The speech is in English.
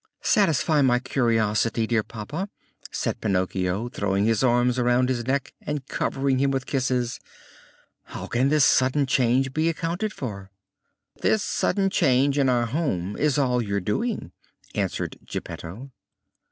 "Satisfy my curiosity, dear papa," said Pinocchio, throwing his arms around his neck and covering him with kisses; "how can this sudden change be accounted for?" "This sudden change in our home is all your doing," answered Geppetto.